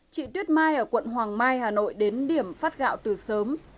chị tuyết mai ở quận hoàng mai hà nội đến điểm phát gạo từ sớm